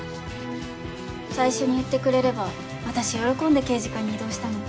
最初に言ってくれれば私喜んで刑事課に異動したのに。